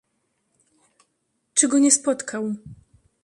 "czy go nie spotkał!"